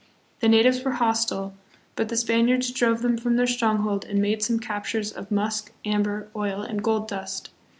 The natives were hostile, but the Spaniards drove them from their stronghold and made some captures of musk, amber, oil, and gold dust.